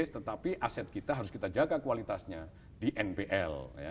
tetapi aset kita harus kita jaga kualitasnya di nbl